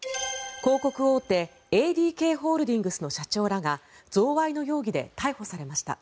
広告大手ＡＤＫホールディングスの社長らが贈賄の容疑で逮捕されました。